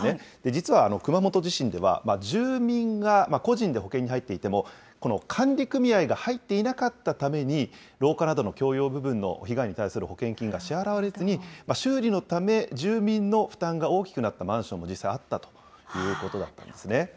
実は熊本地震では、住民が個人で保険に入っていても、この管理組合が入っていなかったために、廊下などの共用部分の被害に対する保険金が支払われずに、修理のため住民の負担が大きくなったマンションも実際あったということだったんですね。